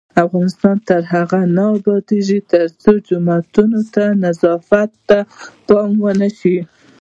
افغانستان تر هغو نه ابادیږي، ترڅو د جوماتونو نظافت ته پام ونشي.